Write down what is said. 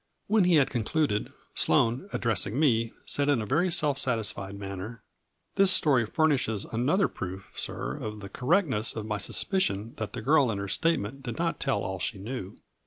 When he had con FLURRY IN DIAMONDS . 213 eluded, Sloane, addressing me, said in a very self satisfied manner :" This story furnishes another proof, sir, of the correctness of my suspicion that the girl in her statement did not tell all she knew.